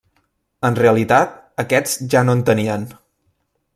En realitat, aquests ja no en tenien.